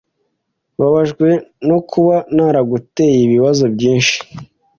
Mbabajwe no kuba naraguteye ibibazo byinshi.